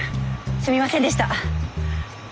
すみませんでした。